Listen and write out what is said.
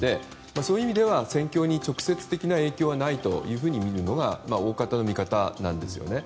そういう意味では戦況に直接的な影響はないとみるのが大方の見方なんですね。